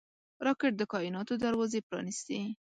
راکټ د کائناتو دروازې پرانېستي